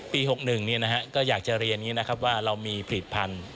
ปี๖๑นี้นะครับก็อยากจะเรียนว่าเรามีผลิตพันธุ์